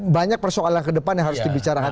banyak persoalan kedepan yang harus dibicarakan